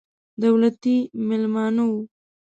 دولتي مېلمانه وو.